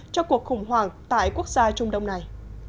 cho cuộc khủng hoảng tại quốc gia trung đông này